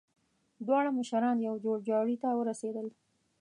دواړه مشران يوه جوړجاړي ته ورسېدل.